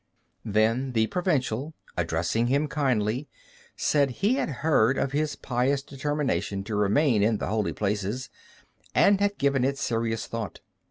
Then the Provincial, addressing him kindly, said he had heard of his pious determination to remain in the holy places, and had given it serious thought.